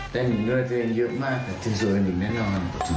แต่เหนือตัวเองเยอะมากจนสวยอันนี้แน่นอน